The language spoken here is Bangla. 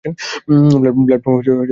প্ল্যাটফর্ম থাকবে একতলায়।